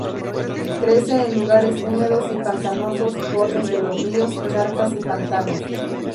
Crece en lugares húmedos y pantanosos, bordes de los ríos, charcas y pantanos.